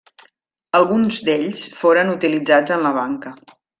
Alguns d'ells foren utilitzats en la banca.